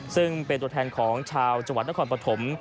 ซึ่งเป็นตัวแทนของชาวจังหวัดนครปฐม